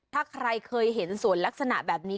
ถ้าใครเคยเห็นสวนลักษณะแบบนี้